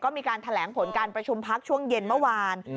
มีการแถลงผลการประชุมพักช่วงเย็นเมื่อวาน